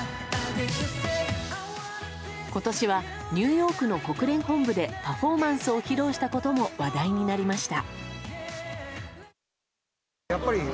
今年はニューヨークの国連本部でパフォーマンスを披露したことも話題になりました。